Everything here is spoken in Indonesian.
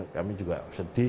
kami juga sedih